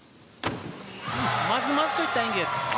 まずまずといった演技です。